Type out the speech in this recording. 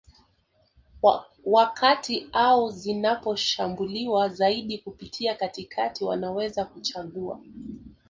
wa kati au zinazoshambulia zaidi kupitia katikati wanaweza kuchagua